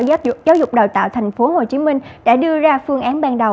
sáng nay năm tháng sáu sở giáo dục đào tạo tp hcm đã đưa ra phương án ban đầu